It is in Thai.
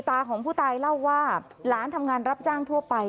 ของผู้ตายเล่าว่าหลานทำงานรับจ้างทั่วไป